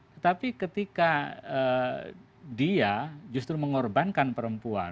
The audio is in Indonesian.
tetapi ketika dia justru mengorbankan perempuan